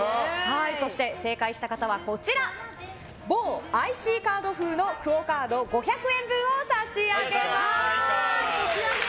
そして正解した方は某ＩＣカード風のＱＵＯカード５００円分を差し上げます！